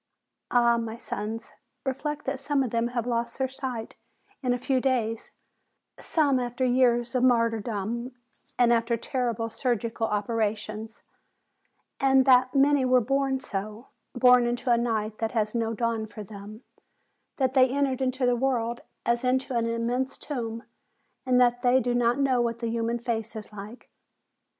Ah, my sons! reflect that some of them have lost their sight in a few days; some after years of martyrdom and after terrible surgical oper ations ; and that many were born so, born into a night that has no dawn for them, that they entered THE BLIND BOYS 155 into the world as into an immense tomb, and that they do not know what the human face is like.